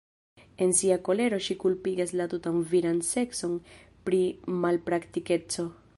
En sia kolero ŝi kulpigas la tutan viran sekson pri malpraktikeco.